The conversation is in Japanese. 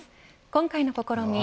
今回の試み